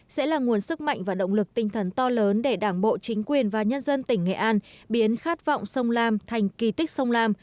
sẽ là nguồn sức mạnh và động lực tinh thần to lớn để đảng bộ chính quyền và nhân dân tỉnh nghệ an biến khát vọng sông lam thành kỳ tích sông lam